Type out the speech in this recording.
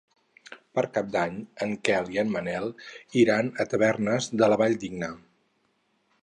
Per Cap d'Any en Quel i en Manel iran a Tavernes de la Valldigna.